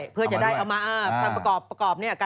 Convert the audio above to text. เพราะว่าตอนนี้ก็ไม่มีใครไปข่มครูฆ่า